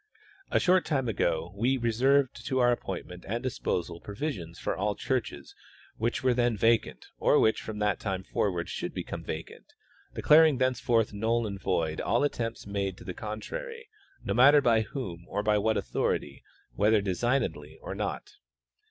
A ghort time ago we reserved to our appointment and disposal The fir d Bislwp of America. 229 proA'isions for all churches which were then vacant or which from that time forward should become vacant, declaring thence forth null and void all attemj^ts made to the contrary, no matter l)y whom or by what authority, whether designedly or not.